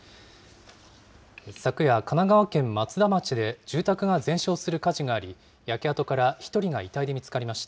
昨夜、神奈川県松田町で住宅が全焼する火事があり、焼け跡から１人が遺体で見つかりました。